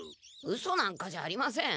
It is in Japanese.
うそなんかじゃありません。